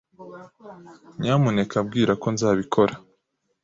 Nyamuneka bwira ko nzabikora.